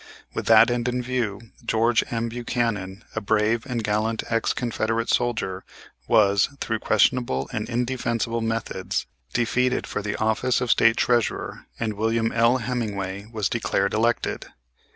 With that end in view, Geo. M. Buchanan, a brave and gallant ex Confederate soldier, was, through questionable and indefensible methods, defeated for the office of State Treasurer, and Wm. L. Hemmingway was declared elected.